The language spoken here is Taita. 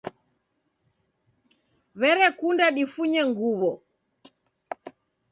W'erekunda difunye nguw'o